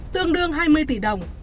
tương đương hai mươi tỷ đồng